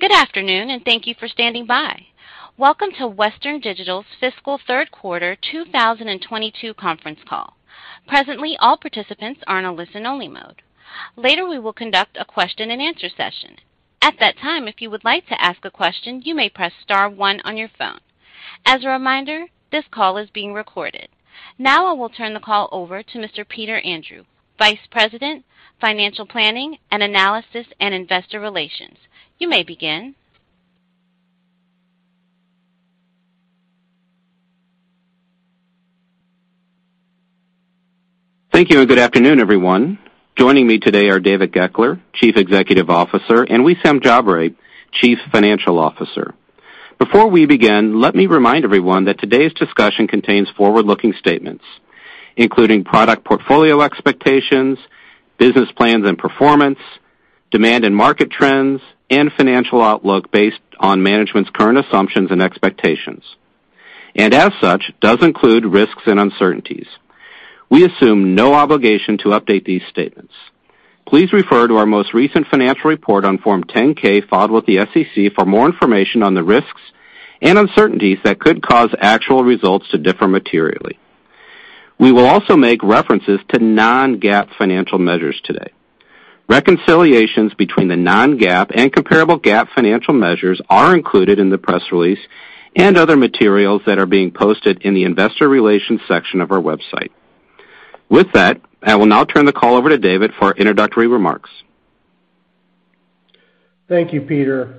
Good afternoon, and thank you for standing by. Welcome to Western Digital's fiscal Q3 2022 conference call. Presently, all participants are in a listen-only mode. Later, we will conduct a question-and-answer session. At that time, if you would like to ask a question, you may press star one on your phone. As a reminder, this call is being recorded. Now I will turn the call over to Mr. Peter Andrew, Vice President, Financial Planning and Analysis and Investor Relations. You may begin. Thank you, and good afternoon, everyone. Joining me today are David Goeckeler, Chief Executive Officer, and Wissam Jabre, Chief Financial Officer. Before we begin, let me remind everyone that today's discussion contains forward-looking statements, including product portfolio expectations, business plans and performance, demand and market trends, and financial outlook based on management's current assumptions and expectations, and as such, does include risks and uncertainties. We assume no obligation to update these statements. Please refer to our most recent financial report on Form 10-K filed with the SEC for more information on the risks and uncertainties that could cause actual results to differ materially. We will also make references to non-GAAP financial measures today. Reconciliations between the non-GAAP and comparable GAAP financial measures are included in the press release and other materials that are being posted in the investor relations section of our website. With that, I will now turn the call over to David for introductory remarks. Thank you, Peter.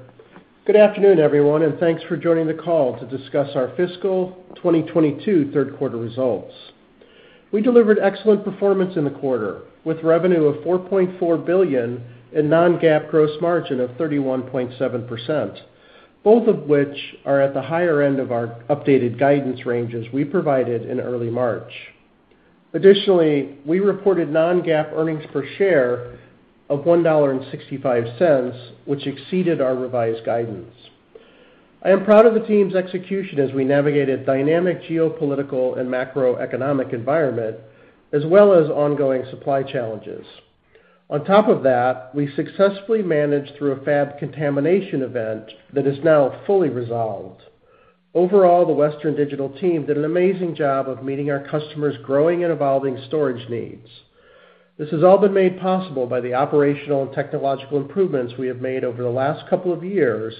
Good afternoon, everyone, and thanks for joining the call to discuss our fiscal 2022 Q3 results. We delivered excellent performance in the quarter, with revenue of $4.4 billion and non-GAAP gross margin of 31.7%, both of which are at the higher end of our updated guidance ranges we provided in early March. Additionally, we reported non-GAAP earnings per share of $1.65, which exceeded our revised guidance. I am proud of the team's execution as we navigated dynamic geopolitical and macroeconomic environment as well as ongoing supply challenges. On top of that, we successfully managed through a fab contamination event that is now fully resolved. Overall, the Western Digital team did an amazing job of meeting our customers' growing and evolving storage needs. This has all been made possible by the operational and technological improvements we have made over the last couple of years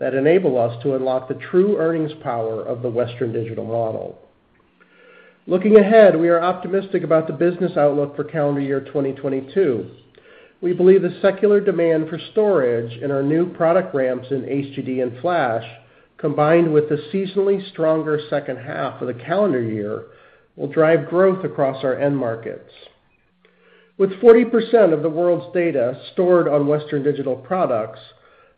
that enable us to unlock the true earnings power of the Western Digital model. Looking ahead, we are optimistic about the business outlook for calendar year 2022. We believe the secular demand for storage and our new product ramps in HDD and flash, combined with the seasonally stronger H2 of the calendar year, will drive growth across our end markets. With 40% of the world's data stored on Western Digital products,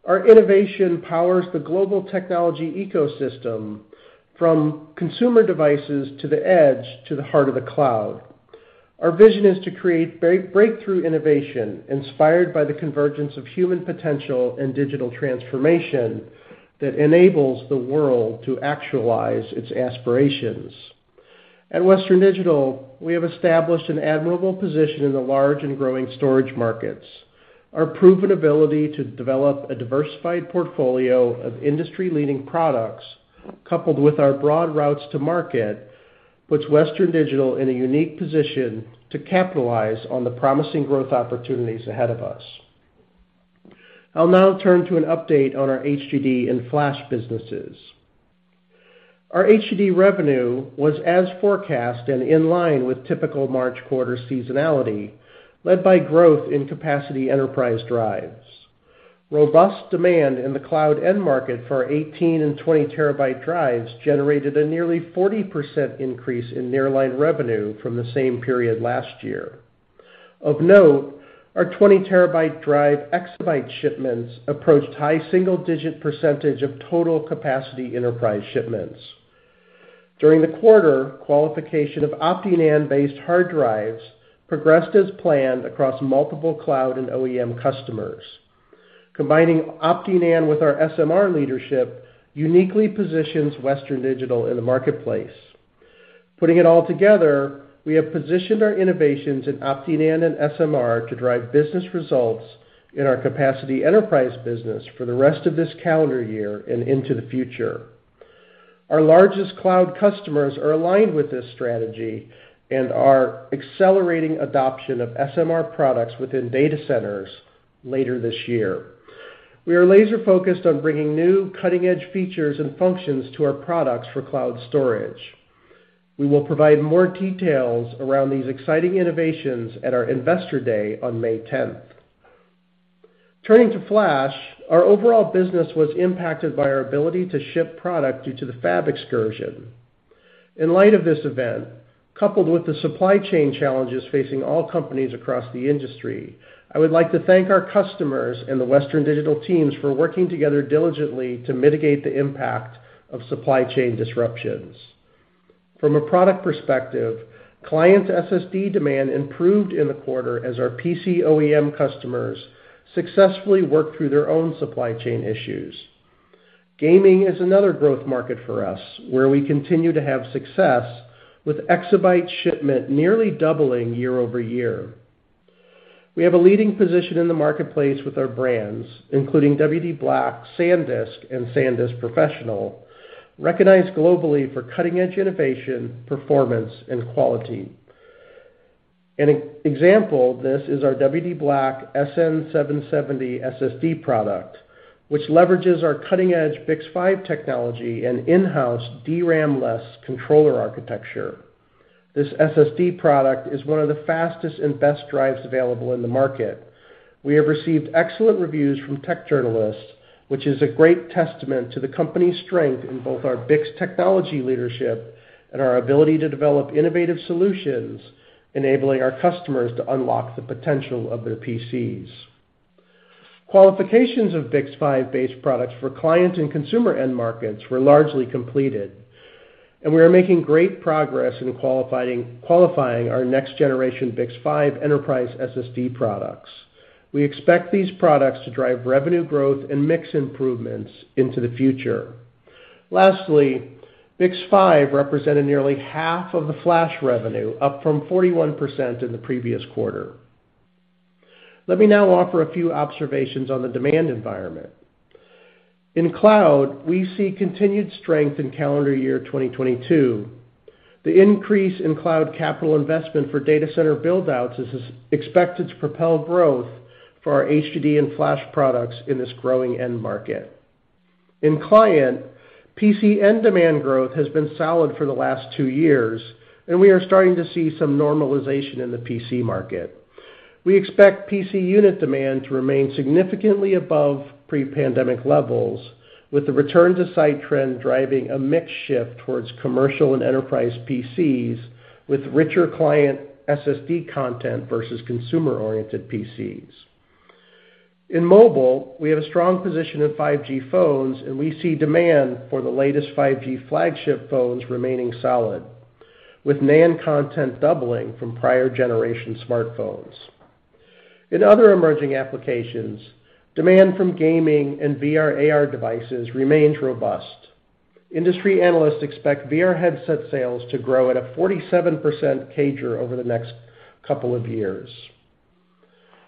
our innovation powers the global technology ecosystem from consumer devices to the edge to the heart of the cloud. Our vision is to create breakthrough innovation inspired by the convergence of human potential and digital transformation that enables the world to actualize its aspirations. At Western Digital, we have established an admirable position in the large and growing storage markets. Our proven ability to develop a diversified portfolio of industry-leading products, coupled with our broad routes to market, puts Western Digital in a unique position to capitalize on the promising growth opportunities ahead of us. I'll now turn to an update on our HDD and flash businesses. Our HDD revenue was as forecast and in line with typical March quarter seasonality, led by growth in capacity enterprise drives. Robust demand in the cloud end market for our 18- and 20-terabyte drives generated a nearly 40% increase in nearline revenue from the same period last year. Of note, our 20-terabyte drive exabyte shipments approached high single-digit percentage of total capacity enterprise shipments. During the quarter, qualification of OptiNAND-based hard drives progressed as planned across multiple cloud and OEM customers. Combining OptiNAND with our SMR leadership uniquely positions Western Digital in the marketplace. Putting it all together, we have positioned our innovations in OptiNAND and SMR to drive business results in our capacity enterprise business for the rest of this calendar year and into the future. Our largest cloud customers are aligned with this strategy and are accelerating adoption of SMR products within data centers later this year. We are laser-focused on bringing new cutting-edge features and functions to our products for cloud storage. We will provide more details around these exciting innovations at our Investor Day on May 10th. Turning to flash, our overall business was impacted by our ability to ship product due to the fab excursion. In light of this event, coupled with the supply chain challenges facing all companies across the industry, I would like to thank our customers and the Western Digital teams for working together diligently to mitigate the impact of supply chain disruptions. From a product perspective, client SSD demand improved in the quarter as our PC OEM customers successfully worked through their own supply chain issues. Gaming is another growth market for us, where we continue to have success with exabyte shipment nearly doubling year-over-year. We have a leading position in the marketplace with our brands, including WD Black, SanDisk, and SanDisk Professional, recognized globally for cutting-edge innovation, performance, and quality. An example, this is our WD Black SN770 SSD product, which leverages our cutting edge BiCS5 technology and in-house DRAM-less controller architecture. This SSD product is one of the fastest and best drives available in the market. We have received excellent reviews from tech journalists, which is a great testament to the company's strength in both our BiCS technology leadership and our ability to develop innovative solutions, enabling our customers to unlock the potential of their PCs. Qualifications of BiCS5-based products for client and consumer end markets were largely completed, and we are making great progress in qualifying our next-generation BiCS5 enterprise SSD products. We expect these products to drive revenue growth and mix improvements into the future. Lastly, BiCS5 represented nearly half of the flash revenue, up from 41% in the previous quarter. Let me now offer a few observations on the demand environment. In cloud, we see continued strength in calendar year 2022. The increase in cloud capital investment for data center build-outs is expected to propel growth for our HDD and flash products in this growing end market. In client, PC end demand growth has been solid for the last two years, and we are starting to see some normalization in the PC market. We expect PC unit demand to remain significantly above pre-pandemic levels, with the return to site trend driving a mix shift towards commercial and enterprise PCs with richer client SSD content versus consumer-oriented PCs. In mobile, we have a strong position in 5G phones, and we see demand for the latest 5G flagship phones remaining solid, with NAND content doubling from prior generation smartphones. In other emerging applications, demand from gaming and VR/AR devices remains robust. Industry analysts expect VR headset sales to grow at a 47% CAGR over the next couple of years.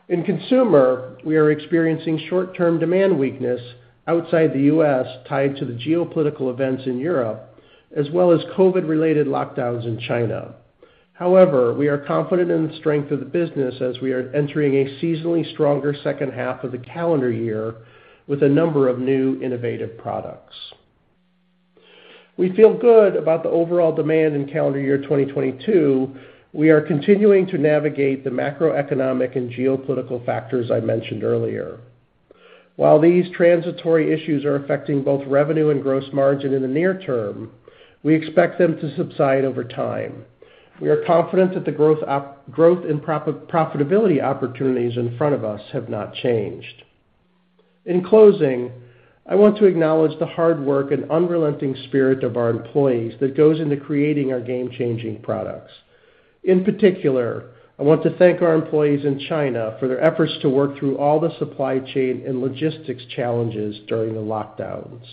In consumer, we are experiencing short-term demand weakness outside the U.S. tied to the geopolitical events in Europe, as well as COVID-related lockdowns in China. However, we are confident in the strength of the business as we are entering a seasonally stronger H2 of the calendar year with a number of new innovative products. We feel good about the overall demand in calendar year 2022. We are continuing to navigate the macroeconomic and geopolitical factors I mentioned earlier. While these transitory issues are affecting both revenue and gross margin in the near term, we expect them to subside over time. We are confident that the growth and profitability opportunities in front of us have not changed. In closing, I want to acknowledge the hard work and unrelenting spirit of our employees that goes into creating our game-changing products. In particular, I want to thank our employees in China for their efforts to work through all the supply chain and logistics challenges during the lockdowns.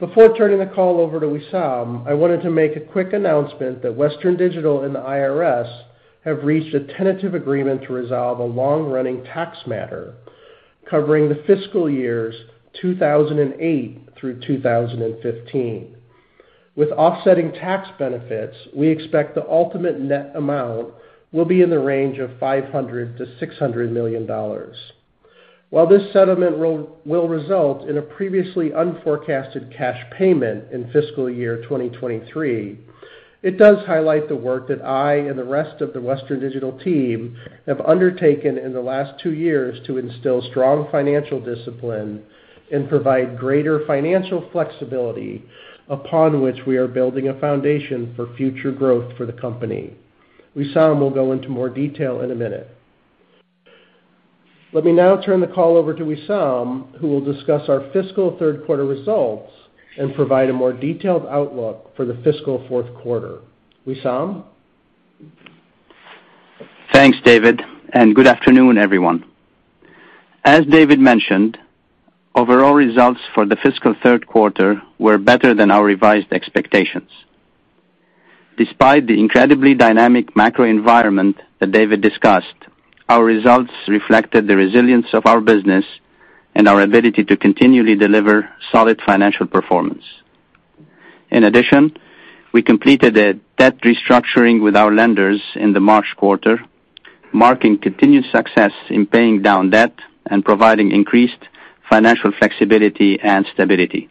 Before turning the call over to Wissam, I wanted to make a quick announcement that Western Digital and the IRS have reached a tentative agreement to resolve a long-running tax matter covering the fiscal years 2008 through 2015. With offsetting tax benefits, we expect the ultimate net amount will be in the range of $500 million-$600 million. While this settlement will result in a previously unforecasted cash payment in fiscal year 2023, it does highlight the work that I and the rest of the Western Digital team have undertaken in the last two years to instill strong financial discipline and provide greater financial flexibility upon which we are building a foundation for future growth for the company. Wissam will go into more detail in a minute. Let me now turn the call over to Wissam, who will discuss our fiscal Q3 results and provide a more detailed outlook for the fiscal Q4. Wissam? Thanks, David, and good afternoon, everyone. As David mentioned, overall results for the fiscal Q3 were better than our revised expectations. Despite the incredibly dynamic macro environment that David discussed, our results reflected the resilience of our business and our ability to continually deliver solid financial performance. In addition, we completed a debt restructuring with our lenders in the March quarter, marking continued success in paying down debt and providing increased financial flexibility and stability.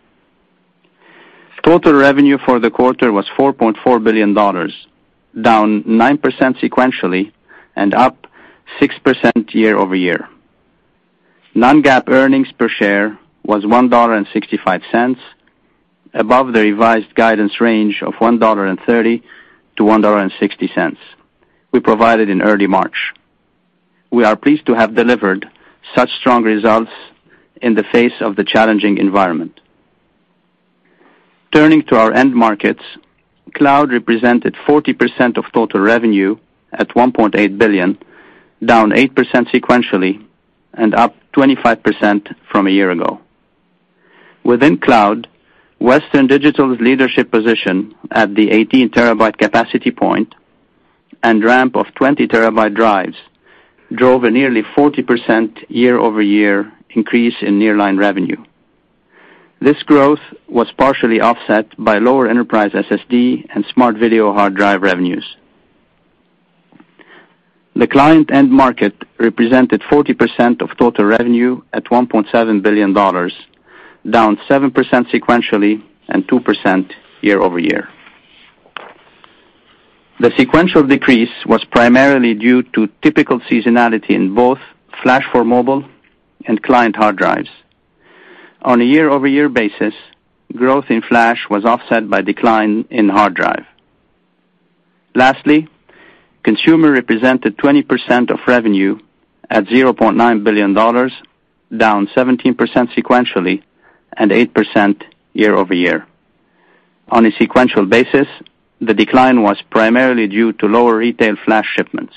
Total revenue for the quarter was $4.4 billion, down 9% sequentially and up 6% year-over-year. Non-GAAP earnings per share was $1.65, above the revised guidance range of $1.30-$1.60 we provided in early March. We are pleased to have delivered such strong results in the face of the challenging environment. Turning to our end markets, cloud represented 40% of total revenue at $1.8 billion, down 8% sequentially and up 25% from a year ago. Within cloud, Western Digital's leadership position at the 18-terabyte capacity point and ramp of 20-terabyte drives drove a nearly 40% year-over-year increase in nearline revenue. This growth was partially offset by lower enterprise SSD and smart video hard drive revenues. The client end market represented 40% of total revenue at $1.7 billion, down 7% sequentially and 2% year-over-year. The sequential decrease was primarily due to typical seasonality in both flash for mobile and client hard drives. On a year-over-year basis, growth in flash was offset by decline in hard drive. Lastly, consumer represented 20% of revenue at $0.9 billion, down 17% sequentially and 8% year-over-year. On a sequential basis, the decline was primarily due to lower retail flash shipments.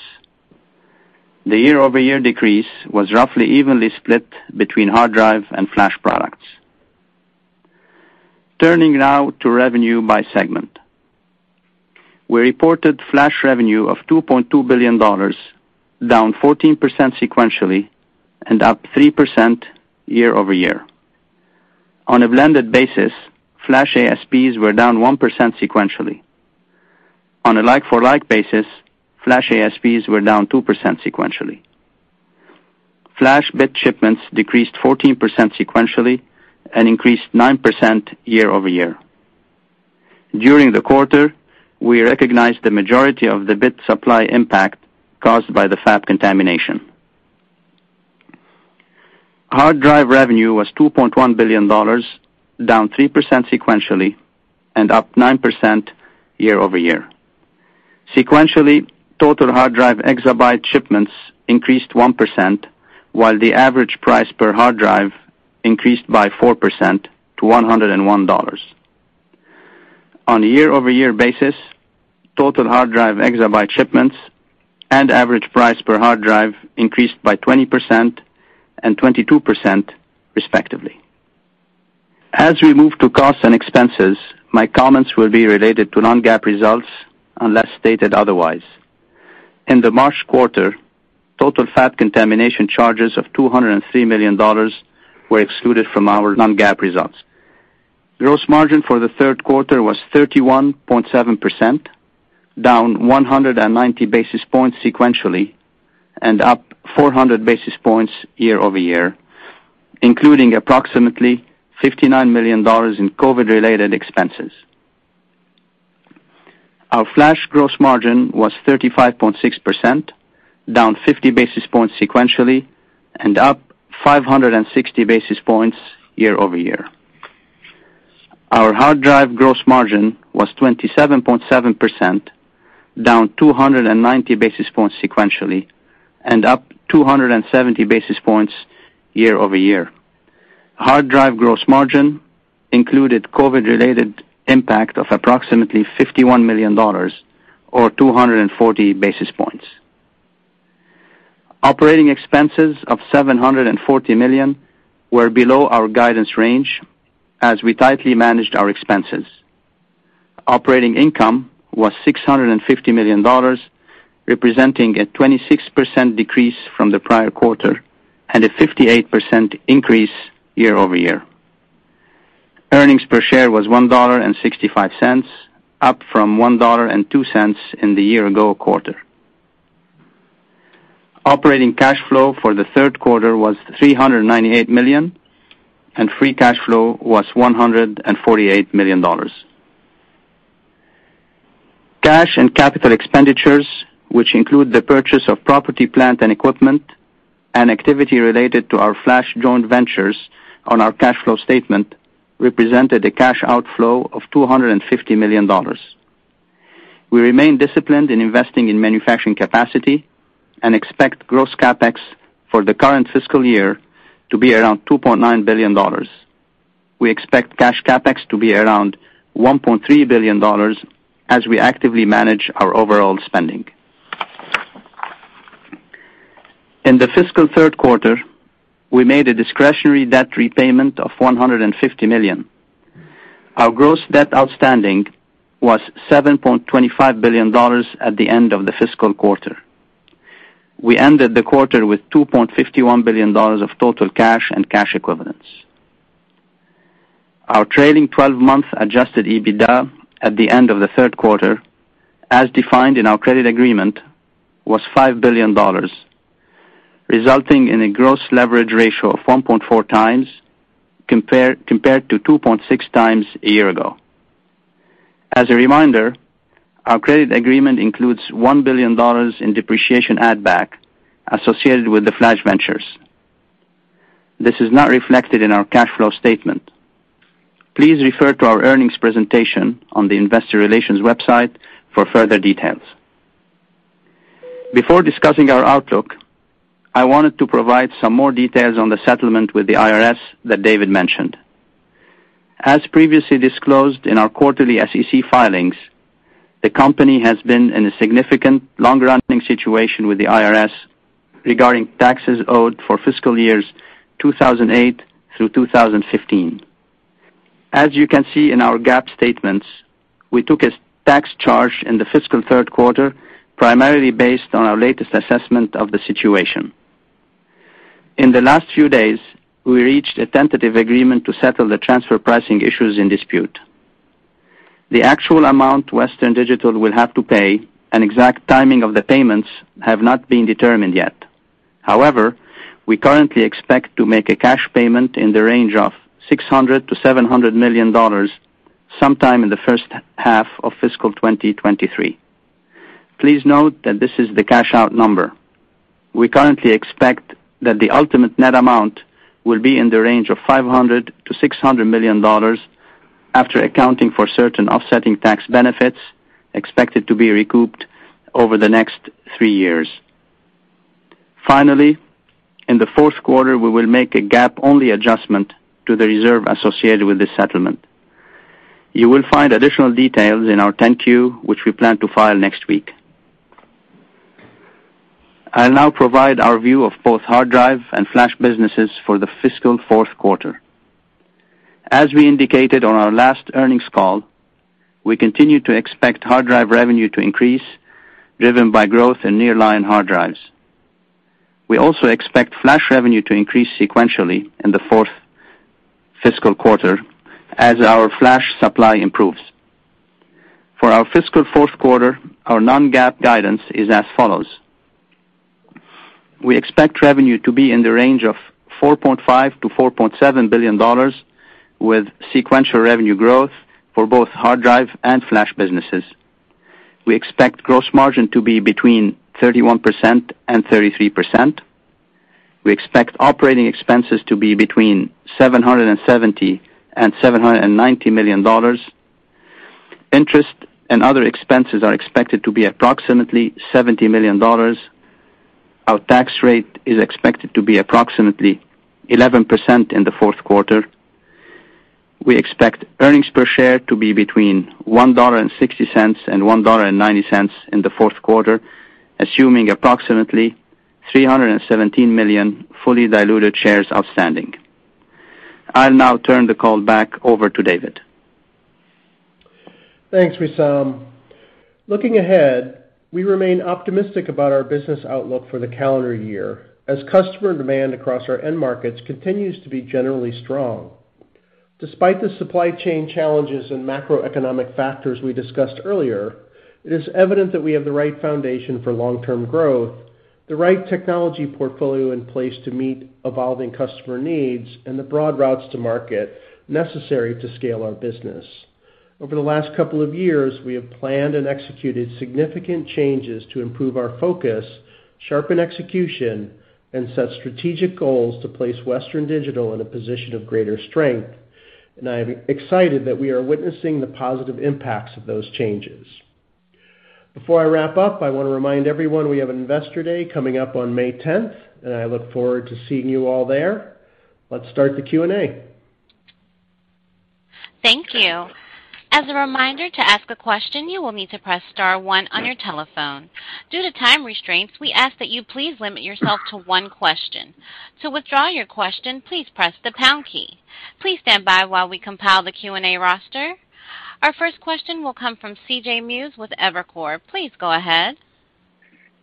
The year-over-year decrease was roughly evenly split between hard drive and flash products. Turning now to revenue by segment. We reported flash revenue of $2.2 billion, down 14% sequentially and up 3% year-over-year. On a blended basis, flash ASPs were down 1% sequentially. On a like-for-like basis, flash ASPs were down 2% sequentially. Flash bit shipments decreased 14% sequentially and increased 9% year-over-year. During the quarter, we recognized the majority of the bit supply impact caused by the fab contamination. Hard drive revenue was $2.1 billion, down 3% sequentially and up 9% year-over-year. Sequentially, total hard drive exabyte shipments increased 1% while the average price per hard drive increased by 4% to $101. On a year-over-year basis, total hard drive exabyte shipments and average price per hard drive increased by 20% and 22% respectively. As we move to costs and expenses, my comments will be related to non-GAAP results unless stated otherwise. In the March quarter, total fab contamination charges of $203 million were excluded from our non-GAAP results. Gross margin for the Q3 was 31.7%, down 190 basis points sequentially and up 400 basis points year-over-year, including approximately $59 million in COVID-related expenses. Our flash gross margin was 35.6%, down 50 basis points sequentially and up 560 basis points year-over-year. Our hard drive gross margin was 27.7%, down 290 basis points sequentially and up 270 basis points year-over-year. Hard drive gross margin included COVID-related impact of approximately $51 million or 240 basis points. Operating expenses of $740 million were below our guidance range as we tightly managed our expenses. Operating income was $650 million, representing a 26% decrease from the prior quarter and a 58% increase year-over-year. Earnings per share was $1.65, up from $1.02 in the year ago quarter. Operating cash flow for the Q3 was $398 million, and free cash flow was $148 million. Cash and capital expenditures, which include the purchase of property, plant and equipment and activity related to our flash joint ventures on our cash flow statement, represented a cash outflow of $250 million. We remain disciplined in investing in manufacturing capacity and expect gross CapEx for the current fiscal year to be around $2.9 billion. We expect cash CapEx to be around $1.3 billion as we actively manage our overall spending. In the fiscal Q3, we made a discretionary debt repayment of $150 million. Our gross debt outstanding was $7.25 billion at the end of the fiscal quarter. We ended the quarter with $2.51 billion of total cash and cash equivalents. Our trailing twelve-month adjusted EBITDA at the end of the Q3, as defined in our credit agreement, was $5 billion, resulting in a gross leverage ratio of 1.4 times compared to 2.6 times a year ago. As a reminder, our credit agreement includes $1 billion in depreciation add back associated with the Flash Ventures. This is not reflected in our cash flow statement. Please refer to our earnings presentation on the investor relations website for further details. Before discussing our outlook, I wanted to provide some more details on the settlement with the IRS that David mentioned. As previously disclosed in our quarterly SEC filings, the company has been in a significant long-running situation with the IRS regarding taxes owed for fiscal years 2008 through 2015. As you can see in our GAAP statements, we took a tax charge in the fiscal Q3, primarily based on our latest assessment of the situation. In the last few days, we reached a tentative agreement to settle the transfer pricing issues in dispute. The actual amount Western Digital will have to pay, and exact timing of the payments have not been determined yet. However, we currently expect to make a cash payment in the range of $600 million-$700 million sometime in the H1 of fiscal 2023. Please note that this is the cash-out number. We currently expect that the ultimate net amount will be in the range of $500 million-$600 million after accounting for certain offsetting tax benefits expected to be recouped over the next three years. Finally, in the Q4, we will make a GAAP-only adjustment to the reserve associated with this settlement. You will find additional details in our 10-Q, which we plan to file next week. I'll now provide our view of both hard drive and flash businesses for the fiscal Q4. As we indicated on our last earnings call, we continue to expect hard drive revenue to increase, driven by growth in nearline hard drives. We also expect flash revenue to increase sequentially in the fourth fiscal quarter as our flash supply improves. For our fiscal Q4, our non-GAAP guidance is as follows. We expect revenue to be in the range of $4.5 billion-$4.7 billion, with sequential revenue growth for both hard drive and flash businesses. We expect gross margin to be between 31%-33%. We expect operating expenses to be between $770 million and $790 million. Interest and other expenses are expected to be approximately $70 million. Our tax rate is expected to be approximately 11% in the Q4. We expect earnings per share to be between $1.60 and $1.90 in the Q4, assuming approximately 317 million fully diluted shares outstanding. I'll now turn the call back over to David. Thanks, Wissam. Looking ahead, we remain optimistic about our business outlook for the calendar year as customer demand across our end markets continues to be generally strong. Despite the supply chain challenges and macroeconomic factors we discussed earlier, it is evident that we have the right foundation for long-term growth, the right technology portfolio in place to meet evolving customer needs, and the broad routes to market necessary to scale our business. Over the last couple of years, we have planned and executed significant changes to improve our focus, sharpen execution, and set strategic goals to place Western Digital in a position of greater strength, and I am excited that we are witnessing the positive impacts of those changes. Before I wrap up, I want to remind everyone we have Investor Day coming up on May 10th, and I look forward to seeing you all there. Let's start the Q&A. Thank you. As a reminder, to ask a question, you will need to press star one on your telephone. Due to time restraints, we ask that you please limit yourself to one question. To withdraw your question, please press the pound key. Please stand by while we compile the Q&A roster. Our first question will come from C.J. Muse with Evercore. Please go ahead.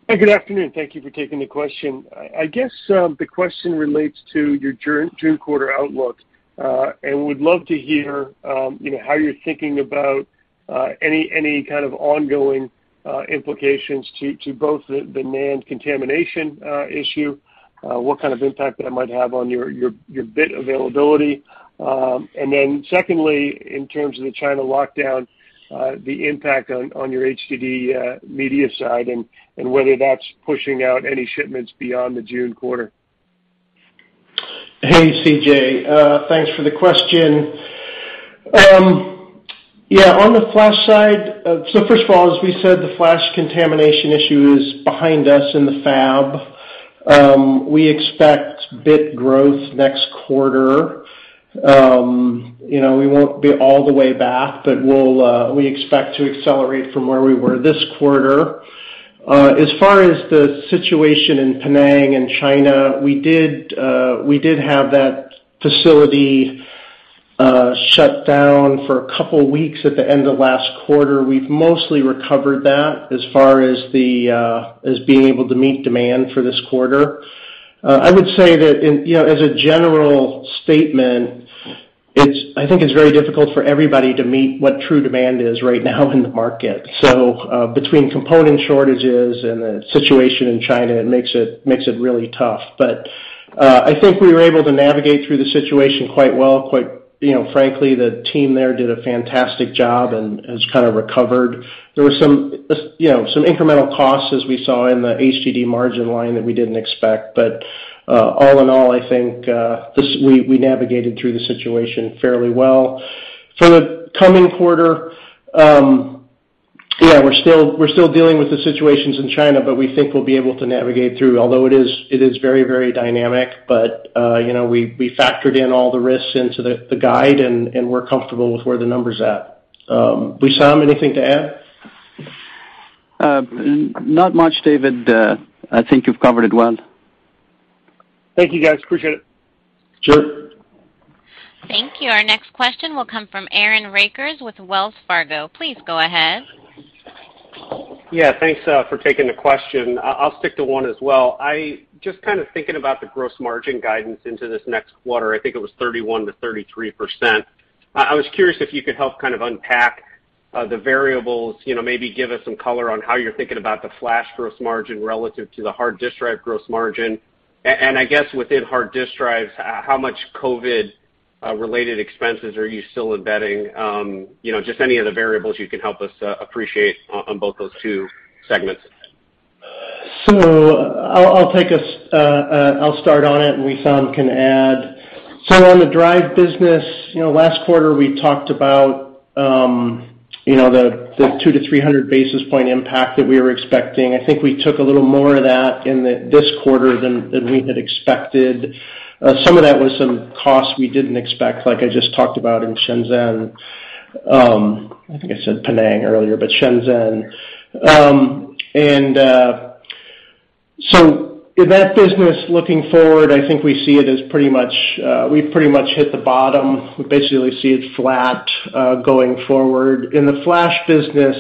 Hey, good afternoon. Thank you for taking the question. I guess the question relates to your June quarter outlook, and would love to hear how you're thinking about any kind of ongoing implications to both the NAND contamination issue, what kind of impact that might have on your bit availability. And then secondly, in terms of the China lockdown, the impact on your HDD media side, and whether that's pushing out any shipments beyond the June quarter. Hey, C.J., thanks for the question. Yeah, on the flash side. First of all, as we said, the flash contamination issue is behind us in the fab. We expect bit growth next quarter. You know, we won't be all the way back, but we'll, we expect to accelerate from where we were this quarter. As far as the situation in Penang and China, we did have that facility shut down for a couple weeks at the end of last quarter. We've mostly recovered that as far as being able to meet demand for this quarter. I would say that, you know, as a general statement, it's. I think it's very difficult for everybody to meet what true demand is right now in the market. Between component shortages and the situation in China, it makes it really tough. I think we were able to navigate through the situation quite well. You know, frankly, the team there did a fantastic job and has kind of recovered. There was some incremental costs, as we saw in the HDD margin line that we didn't expect. All in all, I think we navigated through the situation fairly well. For the coming quarter, yeah, we're still dealing with the situation in China, but we think we'll be able to navigate through. Although it is very dynamic, you know, we factored in all the risks into the guide, and we're comfortable with where the number's at. Wissam, anything to add? Not much, David. I think you've covered it well. Thank you, guys. Appreciate it. Sure. Thank you. Our next question will come from Aaron Rakers with Wells Fargo. Please go ahead. Yeah. Thanks for taking the question. I'll stick to one as well. I just kind of thinking about the gross margin guidance into this next quarter. I think it was 31%-33%. I was curious if you could help kind of unpack the variables, you know, maybe give us some color on how you're thinking about the flash gross margin relative to the hard disk drive gross margin. And I guess within hard disk drives, how much COVID-related expenses are you still embedding? You know, just any of the variables you can help us appreciate on both those two segments. I'll start on it, and Wissam can add. On the drive business, you know, last quarter, we talked about the 200-300 basis point impact that we were expecting. I think we took a little more of that in this quarter than we had expected. Some of that was some costs we didn't expect, like I just talked about in Shenzhen. I think I said Penang earlier, but Shenzhen. In that business looking forward, I think we see it as pretty much we've pretty much hit the bottom. We basically see it flat going forward. In the flash business,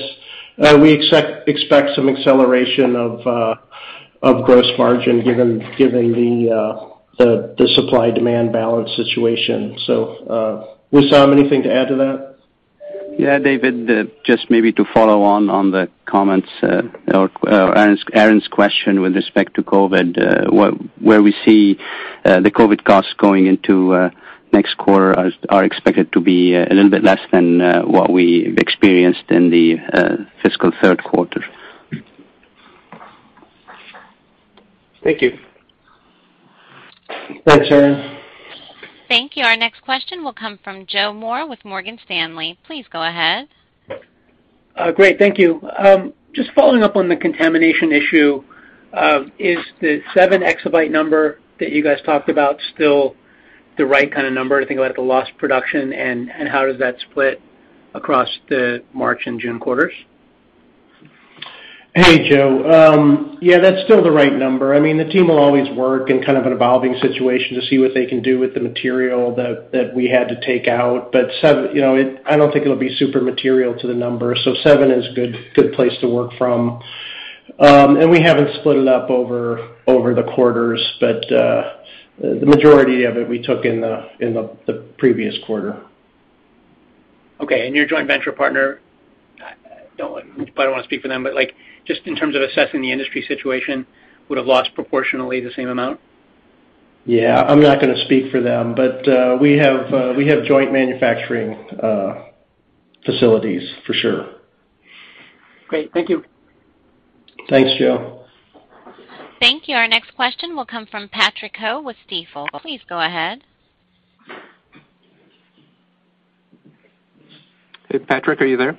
we expect some acceleration of gross margin given the supply-demand balance situation. Wissam, anything to add to that? Yeah, David. Just maybe to follow on the comments or Aaron's question with respect to COVID, where we see the COVID costs going into next quarter are expected to be a little bit less than what we've experienced in the fiscal Q3. Thank you. Thanks, Aaron. Thank you. Our next question will come from Joe Moore with Morgan Stanley. Please go ahead. Great. Thank you. Just following up on the contamination issue, is the 7 exabyte number that you guys talked about still the right kind of number to think about the lost production, and how does that split across the March and June quarters? Hey, Joe. Yeah, that's still the right number. I mean, the team will always work in kind of an evolving situation to see what they can do with the material that we had to take out. 7, I don't think it'll be super material to the number. 7 is good place to work from. We haven't split it up over the quarters. The majority of it we took in the previous quarter. Okay. Your joint venture partner, might wanna speak for them, but, like, just in terms of assessing the industry situation, would have lost proportionally the same amount? Yeah. I'm not gonna speak for them. We have joint manufacturing facilities for sure. Great. Thank you. Thanks, Joe. Thank you. Our next question will come from Patrick Ho with Stifel. Please go ahead. Hey, Patrick, are you there?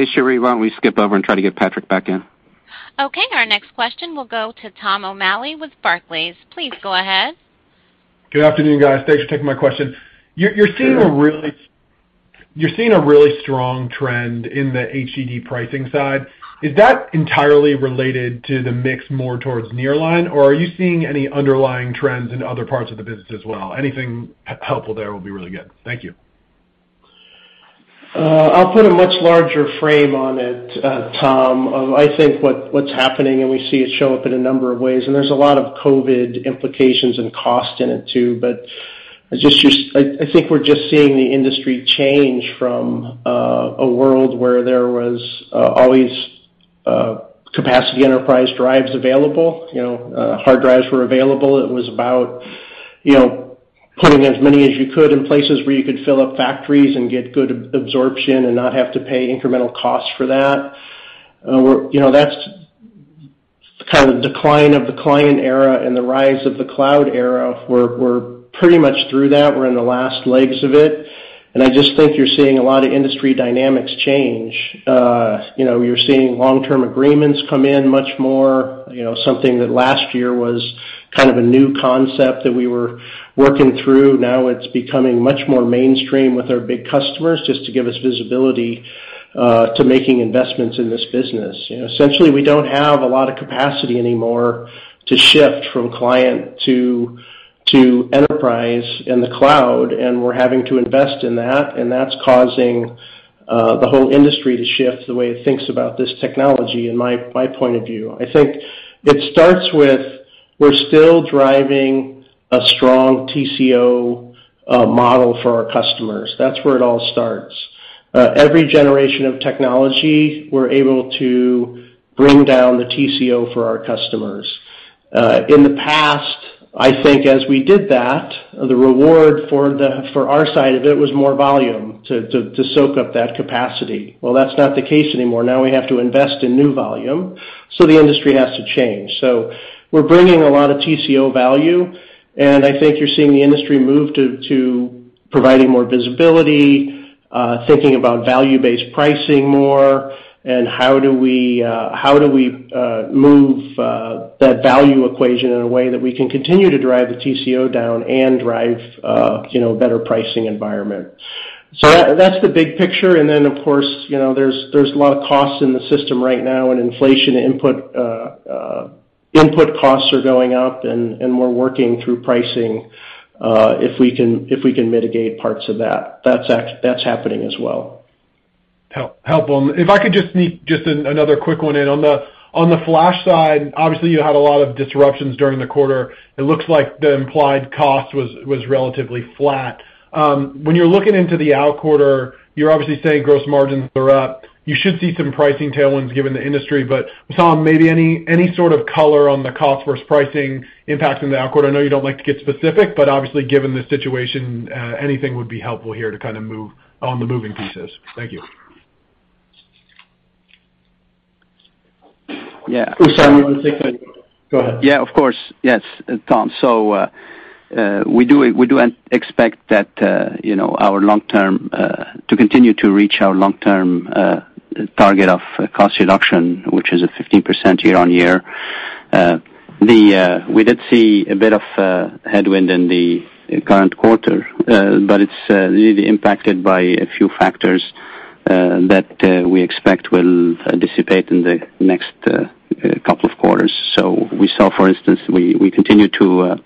Hey, Sherry, why don't we skip over and try to get Patrick back in? Okay. Our next question will go to Tom O'Malley with Barclays. Please go ahead. Good afternoon, guys. Thanks for taking my question. You're seeing a really Sure. You're seeing a really strong trend in the HDD pricing side. Is that entirely related to the mix more towards nearline, or are you seeing any underlying trends in other parts of the business as well? Anything helpful there will be really good. Thank you. I'll put a much larger frame on it, Tom. I think what's happening, and we see it show up in a number of ways, and there's a lot of COVID implications and cost in it too, but I think we're just seeing the industry change from a world where there was always capacity enterprise drives available. You know, hard drives were available. It was about, you know, putting as many as you could in places where you could fill up factories and get good absorption and not have to pay incremental costs for that. You know, that's kind of decline of the client era and the rise of the cloud era. We're pretty much through that. We're in the last legs of it, and I just think you're seeing a lot of industry dynamics change. You know, you're seeing long-term agreements come in much more. You know, something that last year was kind of a new concept that we were working through. Now it's becoming much more mainstream with our big customers just to give us visibility to making investments in this business. You know, essentially, we don't have a lot of capacity anymore to shift from client to enterprise and the cloud, and we're having to invest in that, and that's causing the whole industry to shift the way it thinks about this technology, in my point of view. I think it starts with we're still driving a strong TCO model for our customers. That's where it all starts. Every generation of technology, we're able to bring down the TCO for our customers. In the past, I think as we did that, the reward for our side of it was more volume to soak up that capacity. Well, that's not the case anymore. Now we have to invest in new volume, so the industry has to change. We're bringing a lot of TCO value, and I think you're seeing the industry move to providing more visibility, thinking about value-based pricing more, and how do we move that value equation in a way that we can continue to drive the TCO down and drive you know, better pricing environment. That's the big picture. Of course, you know, there's a lot of costs in the system right now, and inflation input costs are going up, and we're working through pricing, if we can mitigate parts of that. That's happening as well. Helpful. If I could just sneak another quick one in. On the flash side, obviously you had a lot of disruptions during the quarter. It looks like the implied cost was relatively flat. When you're looking into the out quarter, you're obviously saying gross margins are up. You should see some pricing tailwinds given the industry. Tom, maybe any sort of color on the cost versus pricing impact in the out quarter? I know you don't like to get specific, but obviously given the situation, anything would be helpful here to kind of model the moving pieces. Thank you. Yeah. Wissam, you can take that. Go ahead. Yeah, of course. Yes, Tom. We expect that, you know, our long-term to continue to reach our long-term target of cost reduction, which is 15% year-over-year. We did see a bit of headwind in the current quarter, but it's really impacted by a few factors that we expect will dissipate in the next couple of quarters. We saw, for instance, we continue to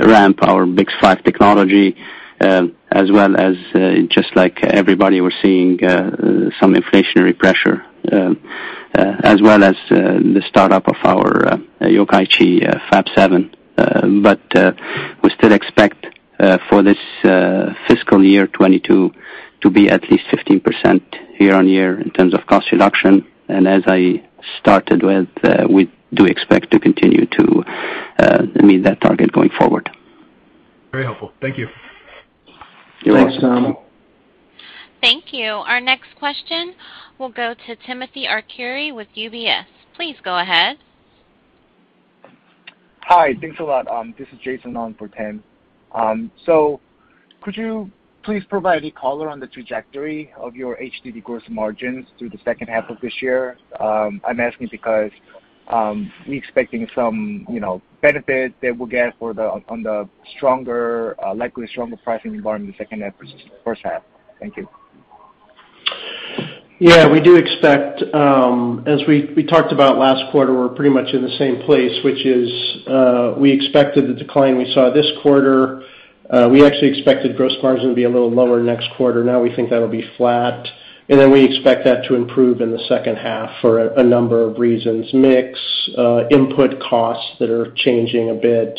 ramp our BiCS5 technology, as well as, just like everybody, we're seeing some inflationary pressure, as well as the startup of our Yokkaichi Fab Seven. We still expect for this fiscal year 2022 to be at least 15% year-over-year in terms of cost reduction. As I started with, we do expect to continue to meet that target going forward. Very helpful. Thank you. You're welcome. Thanks, Tom. Thank you. Our next question will go to Timothy Arcuri with UBS. Please go ahead. Hi. Thanks a lot. This is Jason on for Tim. Could you please provide a color on the trajectory of your HDD gross margins through the H2 of this year? I'm asking because we're expecting some, you know, benefit that we'll get on the likely stronger pricing environment in the H2 versus H1. Thank you. Yeah, we do expect, as we talked about last quarter, we're pretty much in the same place, which is, we expected the decline we saw this quarter. We actually expected gross margin to be a little lower next quarter. Now we think that'll be flat. Then we expect that to improve in the H2 for a number of reasons, mix, input costs that are changing a bit,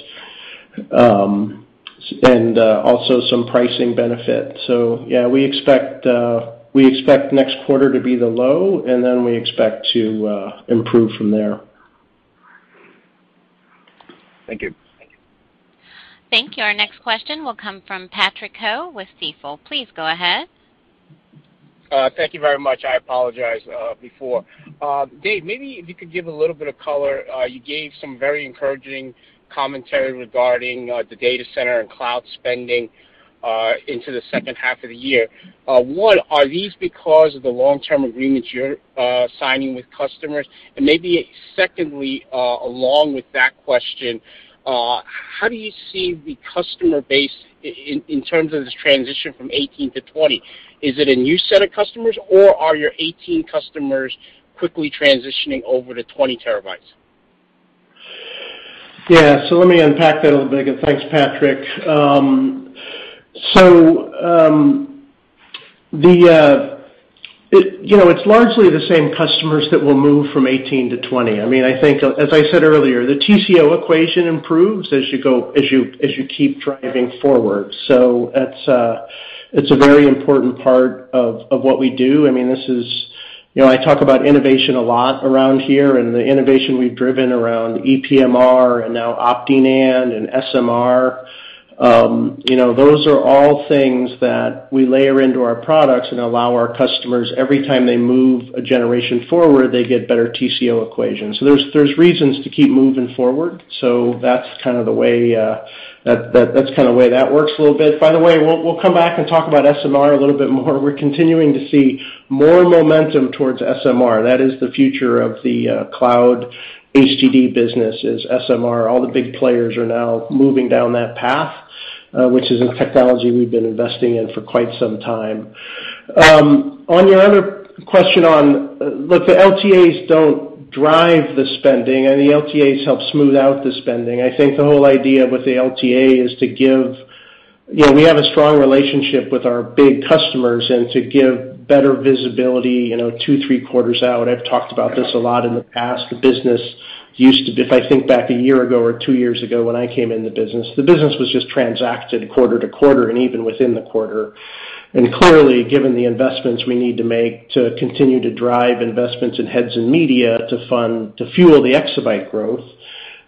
and also some pricing benefit. Yeah, we expect next quarter to be the low, and then we expect to improve from there. Thank you. Thank you. Our next question will come from Patrick Ho with Stifel. Please go ahead. Thank you very much. I apologize before. Dave, maybe if you could give a little bit of color. You gave some very encouraging commentary regarding the data center and cloud spending into the H2 of the year. One, are these because of the long-term agreements you're signing with customers? Maybe secondly, along with that question, how do you see the customer base in terms of this transition from 18 to 20? Is it a new set of customers, or are your 18 customers quickly transitioning over to 20 TB? Yeah. Let me unpack that a little bit, and thanks, Patrick. You know, it's largely the same customers that will move from 18 to 20. I mean, I think, as I said earlier, the TCO equation improves as you keep driving forward. That's a very important part of what we do. I mean, this is. You know, I talk about innovation a lot around here and the innovation we've driven around ePMR and now OptiNAND and SMR. You know, those are all things that we layer into our products and allow our customers, every time they move a generation forward, they get better TCO equations. There's reasons to keep moving forward. That's kind of the way that works a little bit. By the way, we'll come back and talk about SMR a little bit more. We're continuing to see more momentum towards SMR. That is the future of the cloud HDD business is SMR. All the big players are now moving down that path, which is a technology we've been investing in for quite some time. On your other question on. Look, the LTAs don't drive the spending, and the LTAs help smooth out the spending. I think the whole idea with the LTA is to give you know, we have a strong relationship with our big customers and to give better visibility, you know, two, three quarters out. I've talked about this a lot in the past. The business used to be, if I think back one year ago or two years ago when I came in the business, the business was just transacted quarter-to-quarter and even within the quarter. Clearly, given the investments we need to make to continue to drive investments in heads and media to fund, to fuel the exabyte growth,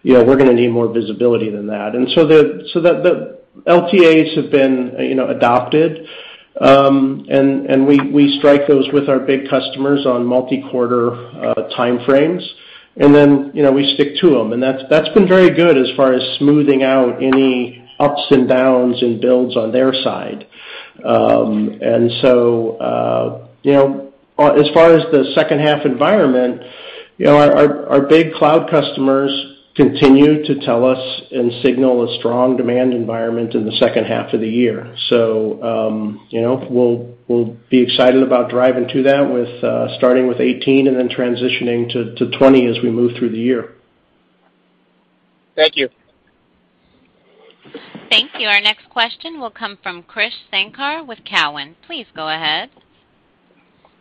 you know, we're gonna need more visibility than that. The LTAs have been, you know, adopted. We strike those with our big customers on multi-quarter time frames, and then, you know, we stick to them. That's been very good as far as smoothing out any ups and downs and builds on their side. You know, as far as the H2 environment, you know, our big cloud customers continue to tell us and signal a strong demand environment in the H2 of the year. You know, we'll be excited about driving to that with, starting with 18 and then transitioning to 20 as we move through the year. Thank you. Thank you. Our next question will come from Krish Sankar with Cowen. Please go ahead.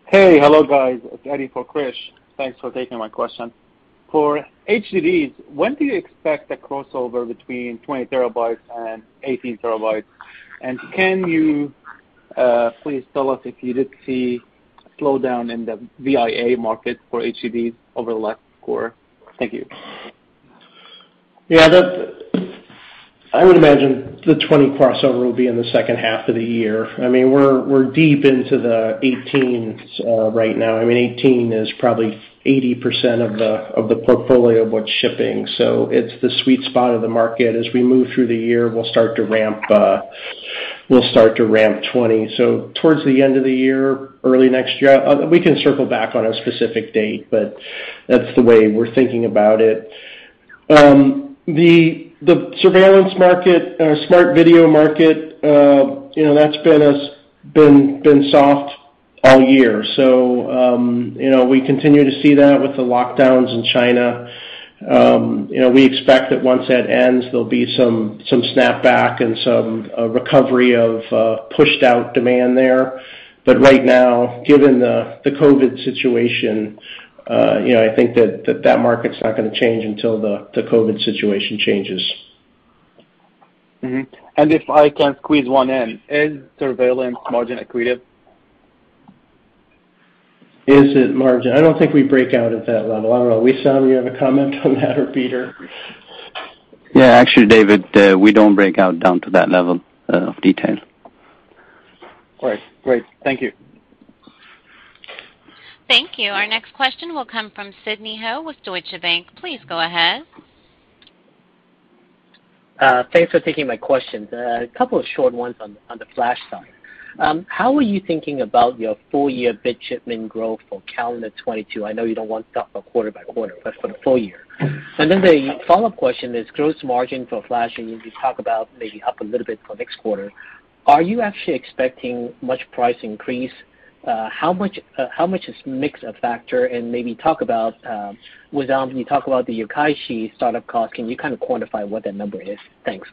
Hey. Hello, guys. It's Eddie for Krish. Thanks for taking my question. For HDDs, when do you expect the crossover between 20 terabytes and 18 terabytes? And can you please tell us if you did see a slowdown in the VIA market for HDDs over the last quarter? Thank you. Yeah, that's. I would imagine the 20 crossover will be in the H2 of the year. I mean, we're deep into the 18s right now. I mean, 18 is probably 80% of the portfolio of what's shipping. So it's the sweet spot of the market. As we move through the year, we'll start to ramp 20. So towards the end of the year, early next year. We can circle back on a specific date, but that's the way we're thinking about it. The surveillance market, our smart video market, you know, that's been soft all year. You know, we continue to see that with the lockdowns in China. You know, we expect that once that ends, there'll be some snapback and some recovery of pushed out demand there. But right now, given the COVID situation, you know, I think that market's not gonna change until the COVID situation changes. If I can squeeze one in, is surveillance margin accretive? Is it margin? I don't think we break out at that level. I don't know. Wissam, do you have a comment on that or Peter? Yeah, actually, David, we don't break it down to that level of detail. All right. Great. Thank you. Thank you. Our next question will come from Sidney Ho with Deutsche Bank. Please go ahead. Thanks for taking my questions. A couple of short ones on the flash side. How are you thinking about your full year bit shipment growth for calendar 2022? I know you don't want to talk about quarter by quarter, but for the full year. The follow-up question is gross margin for flash. You talk about maybe up a little bit for next quarter. Are you actually expecting much price increase? How much is mix a factor? Maybe talk about, Wissam, you talk about the Yokkaichi startup cost. Can you kind of quantify what that number is? Thanks.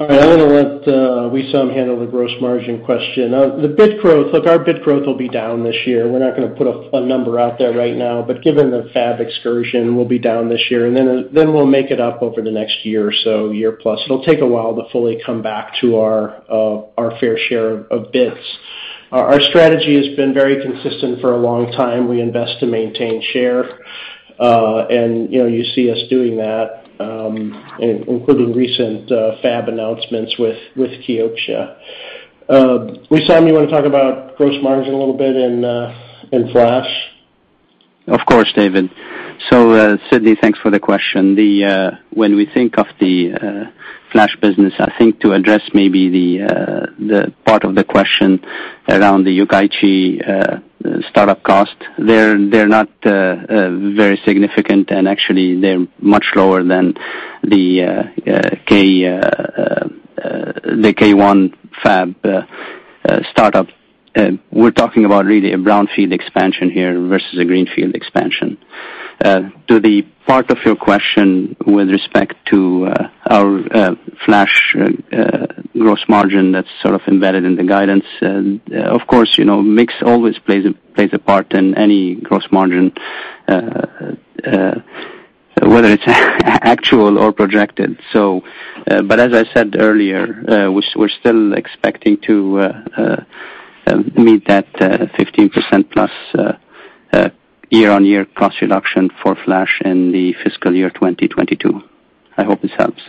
All right. I'm gonna let Wissam handle the gross margin question. The bit growth, look, our bit growth will be down this year. We're not gonna put a number out there right now. Given the fab excursion, we'll be down this year, and then we'll make it up over the next year or so, year plus. It'll take a while to fully come back to our fair share of bits. Our strategy has been very consistent for a long time. We invest to maintain share. You know, you see us doing that, including recent fab announcements with Kioxia. Wissam, you wanna talk about gross margin a little bit and flash? Of course, David. Sydney, thanks for the question. When we think of the flash business, I think to address maybe the part of the question around the Yokkaichi startup cost, they're not very significant, and actually they're much lower than the K1 fab startup. We're talking about really a brownfield expansion here versus a greenfield expansion. To the part of your question with respect to our flash gross margin that's sort of embedded in the guidance, and of course, you know, mix always plays a part in any gross margin, whether it's actual or projected. as I said earlier, we're still expecting to meet that 15%+ year-on-year cost reduction for flash in the fiscal year 2022. I hope this helps.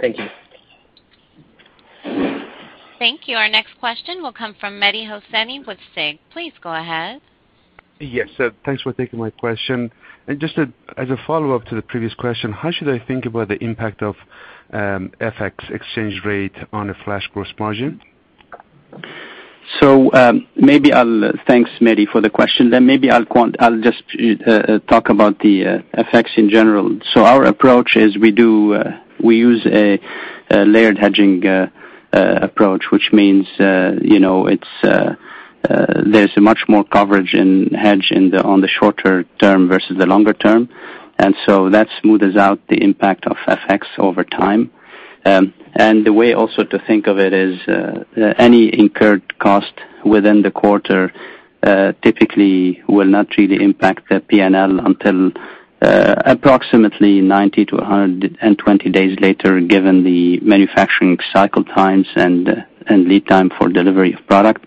Thank you. Thank you. Our next question will come from Mehdi Hosseini with SIG. Please go ahead. Yes. Thanks for taking my question. Just as a follow-up to the previous question, how should I think about the impact of FX exchange rate on the flash gross margin? Thanks, Mehdi, for the question. I'll just talk about the FX in general. Our approach is we use a layered hedging approach, which means you know there's much more coverage and hedge on the shorter term versus the longer term. That smoothes out the impact of FX over time. The way also to think of it is any incurred cost within the quarter typically will not really impact the PNL until approximately 90-120 days later, given the manufacturing cycle times and lead time for delivery of product.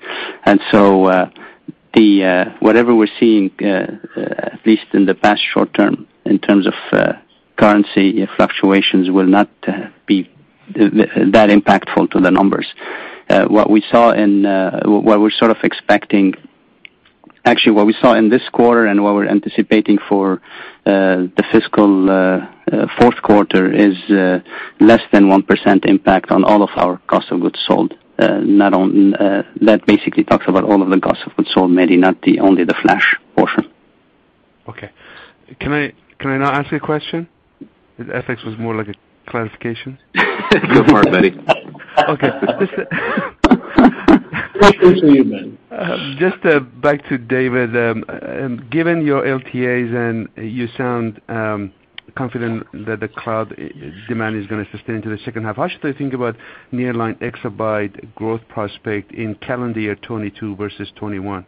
Whatever we're seeing at least in the past short term in terms of currency fluctuations will not be that impactful to the numbers. What we're sort of expecting, actually, what we saw in this quarter and what we're anticipating for the fiscal Q4 is less than 1% impact on all of our cost of goods sold, not on that basically talks about all of the cost of goods sold, Mehdi, not only the flash portion. Okay. Can I now ask you a question? The FX was more like a clarification. Go for it, Mehdi. Okay. Just back to David. Given your LTAs, and you sound confident that the cloud demand is gonna sustain to the H2, how should I think about nearline exabyte growth prospect in calendar year 2022 versus 2021?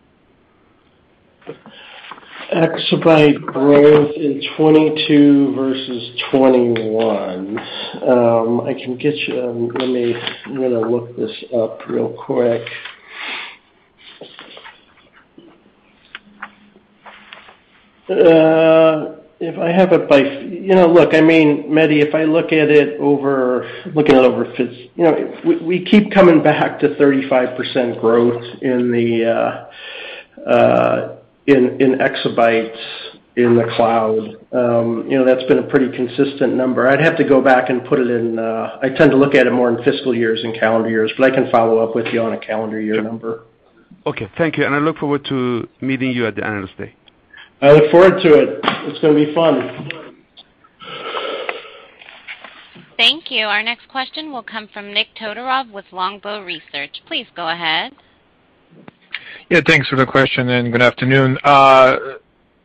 Exabyte growth in 2022 versus 2021. I can get you, let me, I'm gonna look this up real quick. If I have it by. You know, look, I mean, Mehdi, if I look at it over, you know, we keep coming back to 35% growth in the exabytes in the cloud. You know, that's been a pretty consistent number. I'd have to go back and put it in. I tend to look at it more in fiscal years and calendar years, but I can follow up with you on a calendar year number. Okay. Thank you, and I look forward to meeting you at the Analyst Day. I look forward to it. It's gonna be fun. Thank you. Our next question will come from Nikolay Todorov with Longbow Research. Please go ahead. Yeah, thanks for the question, and good afternoon.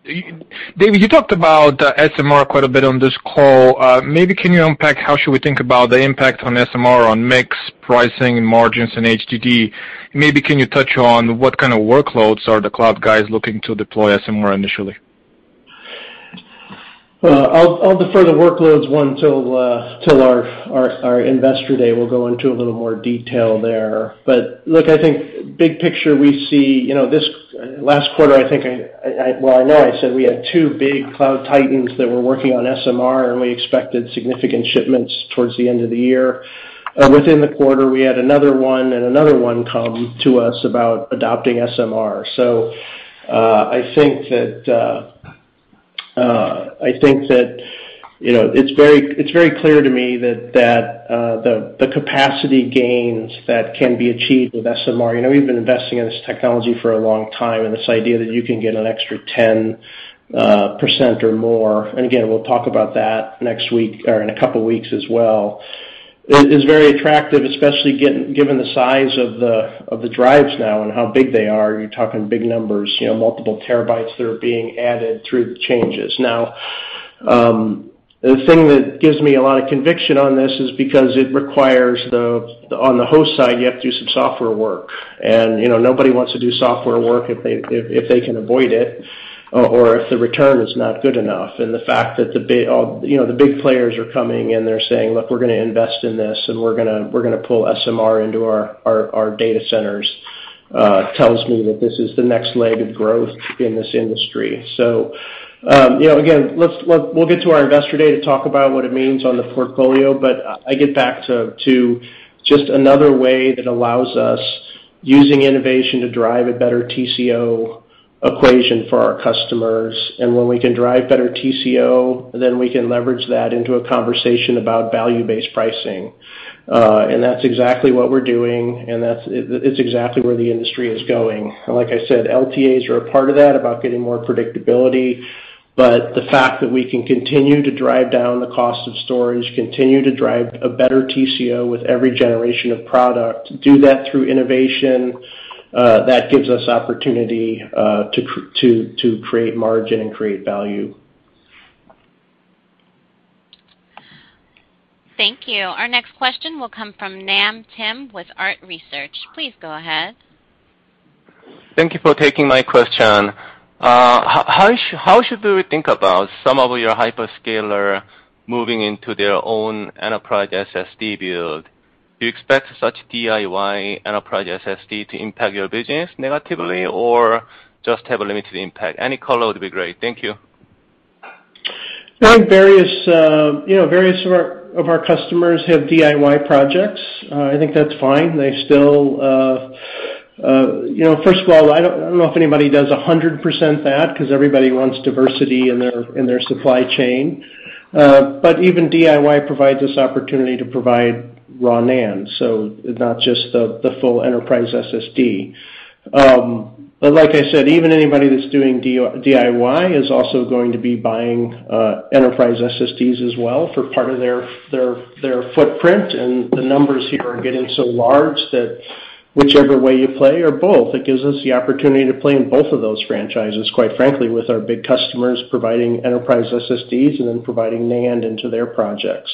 David, you talked about SMR quite a bit on this call. Maybe can you unpack how should we think about the impact of SMR on mix, pricing, margins in HDD? Maybe can you touch on what kind of workloads are the cloud guys looking to deploy SMR initially? Well, I'll defer the workloads one till our Investor Day. We'll go into a little more detail there. Look, I think big picture, we see, you know, this last quarter, I think. Well, I know I said we had 2 big cloud titans that were working on SMR, and we expected significant shipments towards the end of the year. Within the quarter, we had another one and another one come to us about adopting SMR. I think that, you know, it's very clear to me that the capacity gains that can be achieved with SMR, you know, we've been investing in this technology for a long time, and this idea that you can get an extra 10% or more, and again, we'll talk about that next week or in a couple of weeks as well, is very attractive, especially given the size of the drives now and how big they are. You're talking big numbers, you know, multiple terabytes that are being added through the changes. Now, the thing that gives me a lot of conviction on this is because it requires, on the host side, you have to do some software work. You know, nobody wants to do software work if they can avoid it or if the return is not good enough. The fact that the big players are coming, and they're saying, "Look, we're gonna invest in this, and we're gonna pull SMR into our data centers," tells me that this is the next leg of growth in this industry. You know, again, we'll get to our Investor Day to talk about what it means on the portfolio, but I get back to just another way that allows us using innovation to drive a better TCO equation for our customers. When we can drive better TCO, then we can leverage that into a conversation about value-based pricing. That's exactly what we're doing, and that's it's exactly where the industry is going. Like I said, LTAs are a part of that, about getting more predictability. The fact that we can continue to drive down the cost of storage, continue to drive a better TCO with every generation of product, do that through innovation, that gives us opportunity to create margin and create value. Thank you. Our next question will come from Nam Kim with Arete Research. Please go ahead. Thank you for taking my question. How should we think about some of your hyperscaler moving into their own enterprise SSD build? Do you expect such DIY enterprise SSD to impact your business negatively or just have a limited impact? Any color would be great. Thank you. I think various, you know, of our customers have DIY projects. I think that's fine. They still, you know, first of all, I don't know if anybody does 100% that because everybody wants diversity in their supply chain. Even DIY provides this opportunity to provide raw NAND, so not just the full enterprise SSD. Like I said, even anybody that's doing DIY is also going to be buying enterprise SSDs as well for part of their footprint, the numbers here are getting so large that whichever way you play or both, it gives us the opportunity to play in both of those franchises, quite frankly, with our big customers providing enterprise SSDs and then providing NAND into their projects.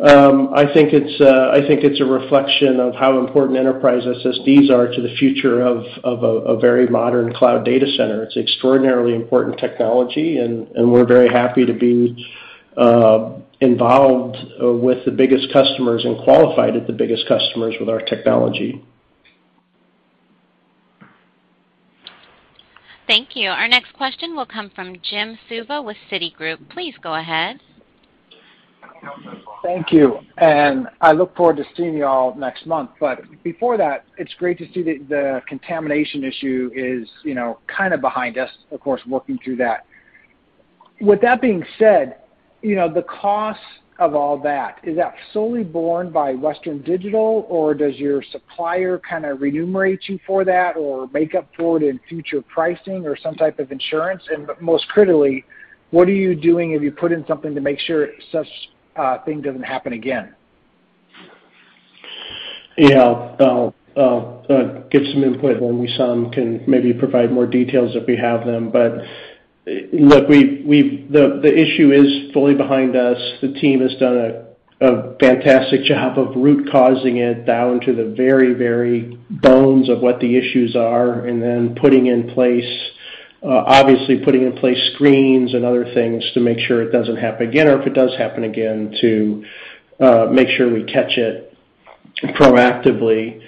I think it's a reflection of how important enterprise SSDs are to the future of a very modern cloud data center. It's extraordinarily important technology, and we're very happy to be involved with the biggest customers and qualified at the biggest customers with our technology. Thank you. Our next question will come from Jim Suva with Citigroup. Please go ahead. Thank you, and I look forward to seeing you all next month. Before that, it's great to see the contamination issue is, you know, kind of behind us, of course, working through that. With that being said, you know, the cost of all that, is that solely borne by Western Digital or does your supplier kind of remunerate you for that or make up for it in future pricing or some type of insurance? Most critically, what are you doing? Have you put in something to make sure such thing doesn't happen again? Yeah. I'll give some input, and Wissam can maybe provide more details if we have them. Look, we've the issue is fully behind us. The team has done a fantastic job of root causing it down to the very bones of what the issues are and then putting in place, obviously putting in place screens and other things to make sure it doesn't happen again, or if it does happen again, to make sure we catch it proactively.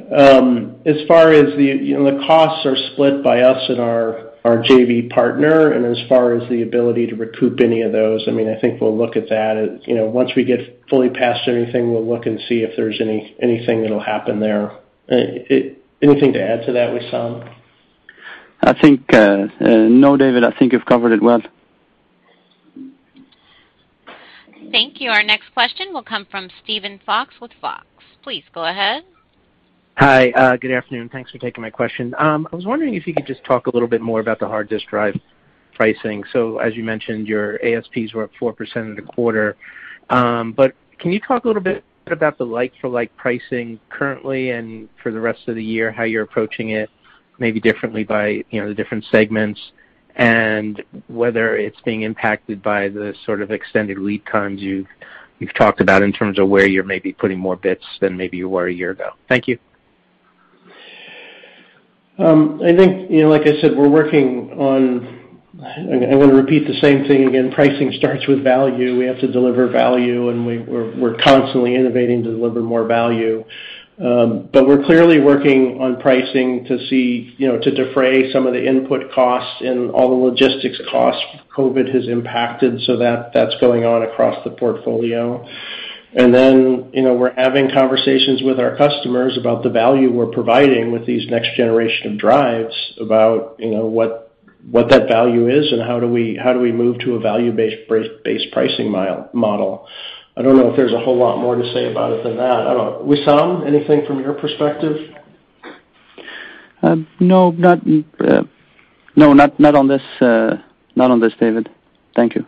As far as the, you know, the costs are split by us and our JV partner. As far as the ability to recoup any of those, I mean, I think we'll look at that. You know, once we get fully past everything, we'll look and see if there's anything that'll happen there. Anything to add to that, Wissam? I think. No, David, I think you've covered it well. Thank you. Our next question will come from Steven Fox with Fox. Please go ahead. Hi. Good afternoon. Thanks for taking my question. I was wondering if you could just talk a little bit more about the hard disk drive pricing. As you mentioned, your ASPs were up 4% in the quarter. But can you talk a little bit about the like for like pricing currently and for the rest of the year, how you're approaching it maybe differently by, you know, the different segments, and whether it's being impacted by the sort of extended lead times you've talked about in terms of where you're maybe putting more bits than maybe you were a year ago? Thank you. I think, you know, like I said, I wanna repeat the same thing again. Pricing starts with value. We have to deliver value, and we're constantly innovating to deliver more value. But we're clearly working on pricing to see, you know, to defray some of the input costs and all the logistics costs COVID has impacted. That's going on across the portfolio. Then, you know, we're having conversations with our customers about the value we're providing with these next generation of drives, about, you know, what that value is and how do we move to a value-based price-based pricing model. I don't know if there's a whole lot more to say about it than that. I don't know. Wissam, anything from your perspective? No, not on this, David. Thank you.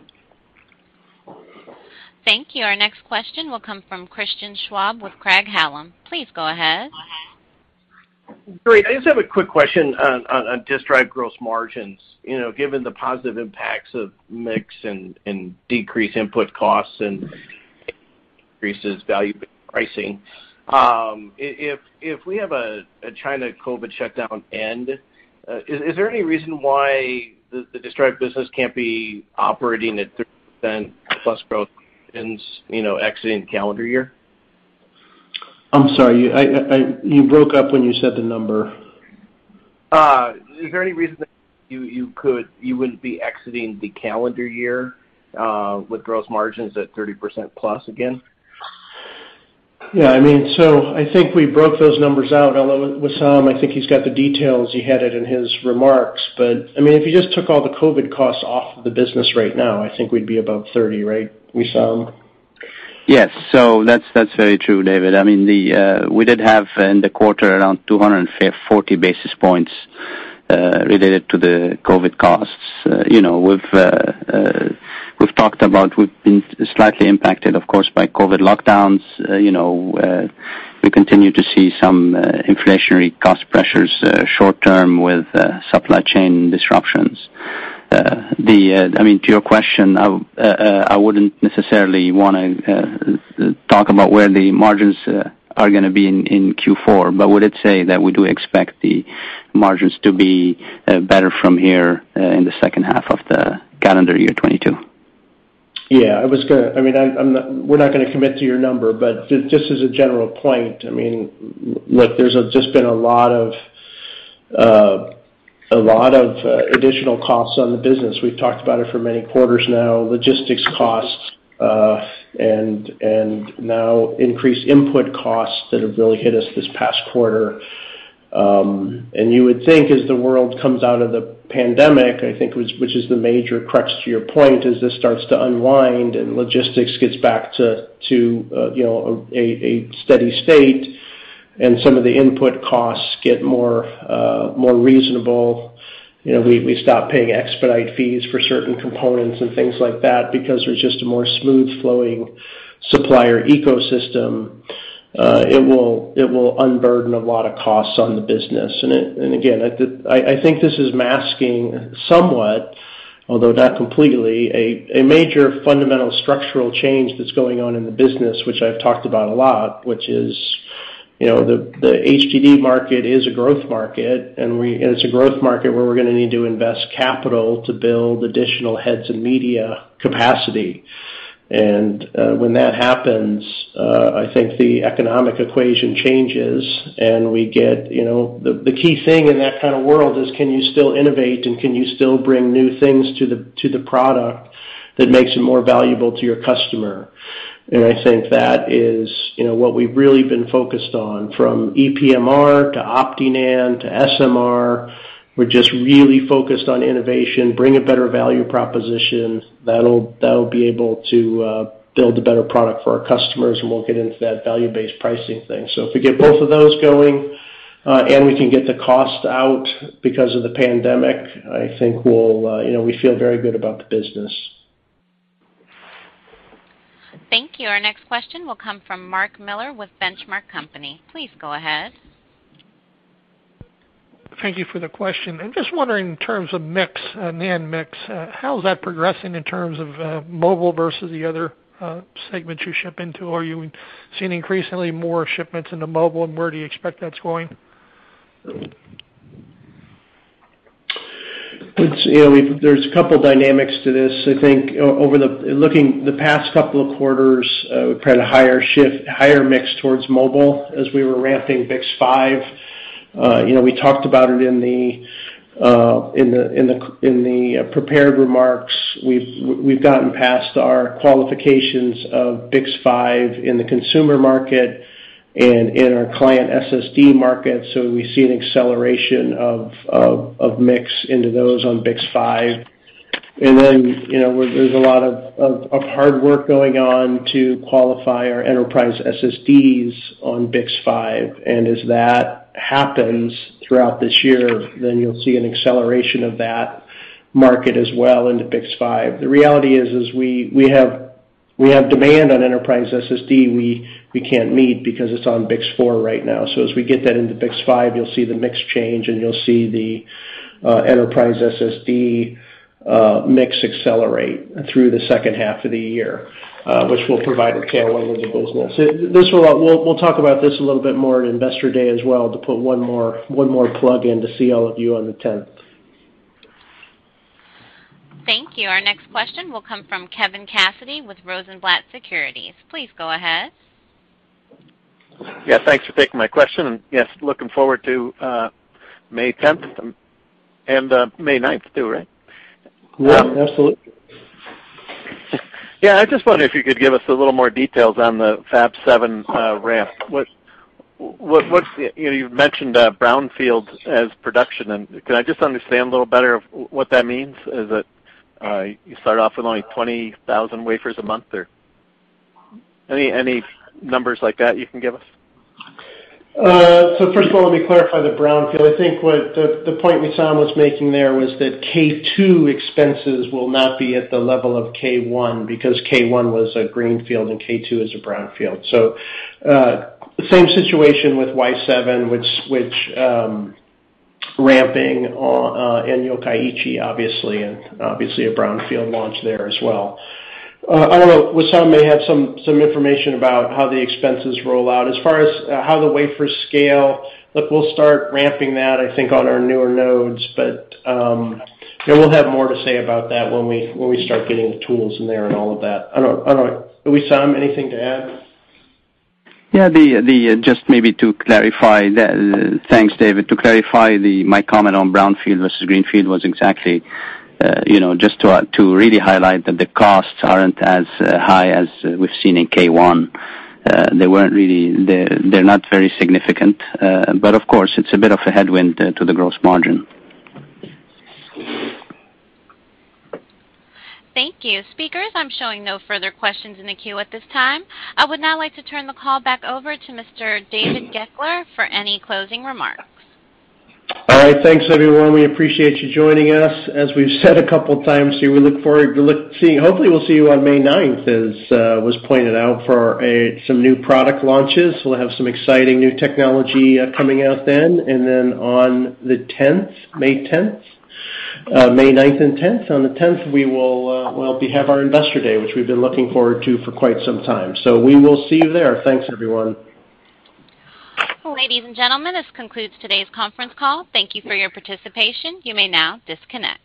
Thank you. Our next question will come from Christian Schwab with Craig-Hallum. Please go ahead. Great. I just have a quick question on disk drive gross margins. You know, given the positive impacts of mix and decreased input costs and increases value pricing, if we have a China COVID shutdown end, is there any reason why the disk drive business can't be operating at 30%+ growth and, you know, exiting calendar year? I'm sorry. You broke up when you said the number. Is there any reason that you would be exiting the calendar year with gross margins at 30%+ again? Yeah. I mean, so I think we broke those numbers out. Although Wissam, I think he's got the details. He had it in his remarks. I mean, if you just took all the COVID costs off of the business right now, I think we'd be above 30%, right, Wissam? Yes. That's very true, David. I mean, we did have in the quarter around 240 basis points related to the COVID costs. You know, we've talked about we've been slightly impacted, of course, by COVID lockdowns. You know, we continue to see some inflationary cost pressures short-term with supply chain disruptions. I mean, to your question, I wouldn't necessarily wanna talk about where the margins are gonna be in Q4, but I would say that we do expect the margins to be better from here in the H2 of the calendar year 2022. Yeah. I mean, we're not gonna commit to your number, but just as a general point, I mean, look, there's just been a lot of additional costs on the business. We've talked about it for many quarters now. Logistics costs, and now increased input costs that have really hit us this past quarter. You would think as the world comes out of the pandemic, I think, which is the major crux to your point, as this starts to unwind and logistics gets back to a steady state and some of the input costs get more reasonable, you know, we stop paying expedite fees for certain components and things like that because there's just a more smooth flowing supplier ecosystem, it will unburden a lot of costs on the business. I think this is masking somewhat, although not completely, a major fundamental structural change that's going on in the business, which I've talked about a lot, which is. You know, the HDD market is a growth market, and it's a growth market where we're gonna need to invest capital to build additional heads and media capacity. When that happens, I think the economic equation changes and we get, you know, the key thing in that kind of world is can you still innovate and can you still bring new things to the product that makes it more valuable to your customer? I think that is, you know, what we've really been focused on from ePMR to OptiNAND to SMR. We're just really focused on innovation, bring a better value proposition that'll be able to build a better product for our customers, and we'll get into that value-based pricing thing. If we get both of those going, and we can get the cost out because of the pandemic, I think we'll, you know, we feel very good about the business. Thank you. Our next question will come from Mark Miller with The Benchmark Company. Please go ahead. Thank you for the question. I'm just wondering in terms of mix, NAND mix, how is that progressing in terms of, mobile versus the other, segments you ship into? Are you seeing increasingly more shipments into mobile, and where do you expect that's going? You know, there's a couple dynamics to this. I think over the past couple of quarters, we've had a higher shift, higher mix towards mobile as we were ramping BiCS5. You know, we talked about it in the prepared remarks. We've gotten past our qualifications of BiCS5 in the consumer market and in our client SSD market, so we see an acceleration of mix into those on BiCS5. You know, there's a lot of hard work going on to qualify our enterprise SSDs on BiCS5, and as that happens throughout this year, you'll see an acceleration of that market as well into BiCS5. The reality is we have demand on enterprise SSD we can't meet because it's on BiCS4 right now. As we get that into BiCS5, you'll see the mix change, and you'll see the enterprise SSD mix accelerate through the H2 of the year, which will provide a tailwind to the business. We'll talk about this a little bit more at Investor Day as well to put one more plug in to see all of you on the 10th. Thank you. Our next question will come from Kevin Cassidy with Rosenblatt Securities. Please go ahead. Yeah, thanks for taking my question, and yes, looking forward to May 10th and May ninth too, right? Yeah, absolutely. Yeah, I just wonder if you could give us a little more details on the Fab 7 ramp. What's You know, you've mentioned brownfield expansion, and can I just understand a little better what that means? Is it you start off with only 20,000 wafers a month or any numbers like that you can give us? First of all, let me clarify the brownfield. I think what the point Wissam was making there was that K2 expenses will not be at the level of K1 because K1 was a greenfield, and K2 is a brownfield. Same situation with Y7, which ramping on in Yokkaichi, obviously, and obviously a brownfield launch there as well. I don't know, Wissam may have some information about how the expenses roll out. As far as how the wafers scale, look, we'll start ramping that, I think, on our newer nodes. Yeah, we'll have more to say about that when we start getting the tools in there and all of that. Wissam, anything to add? Just maybe to clarify that, thanks, David. To clarify my comment on brownfield versus greenfield was exactly, you know, just to really highlight that the costs aren't as high as we've seen in K1. They weren't really. They're not very significant. Of course, it's a bit of a headwind to the gross margin. Thank you. Speakers, I'm showing no further questions in the queue at this time. I would now like to turn the call back over to Mr. David Goeckeler for any closing remarks. All right. Thanks, everyone. We appreciate you joining us. As we've said a couple times here, we look forward to. Hopefully, we'll see you on May ninth, as was pointed out for some new product launches. We'll have some exciting new technology coming out then. Then on the 10th, May 10th, May 9th and 10th. On the 10th, we'll have our Investor Day, which we've been looking forward to for quite some time. We will see you there. Thanks, everyone. Ladies and gentlemen, this concludes today's conference call. Thank you for your participation. You may now disconnect.